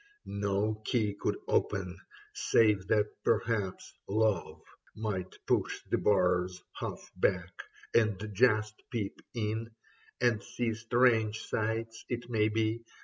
No key could open : save that perhaps love Might push the bars half back and just peep in — And see strange sights, it may be.